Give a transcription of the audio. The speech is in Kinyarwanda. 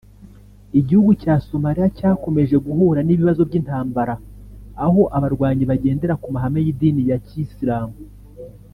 Igihugu cya Somalia cyakomeje guhura n’ibibazo by’intambara aho abarwanyi bagendera ku mahame y’idini ya Kisilamu